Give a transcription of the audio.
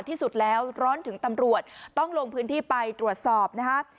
ที่สุดแล้วร้อนถึงตำรวจต้องลงพื้นที่ไปตรวจสอบนะฮะ